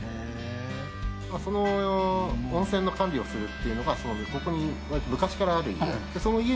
その温泉の管理をするというのがここに昔からある家。